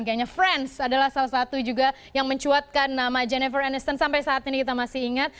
kayaknya friends adalah salah satu juga yang mencuatkan nama jennifer eneston sampai saat ini kita masih ingat